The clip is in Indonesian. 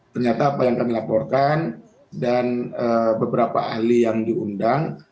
ternyata apa yang kami laporkan dan beberapa ahli yang diundang